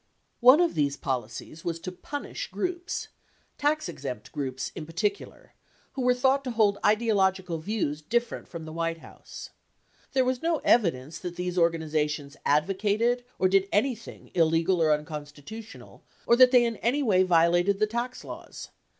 One of these policies was to "punish" groups, tax exempt groups in particular, who were thought to hold ideological views different from the White House. There was no evidence that these organizations advocated or did anything illegal or unconstitutional, or that they in any way vio lated the tax laws.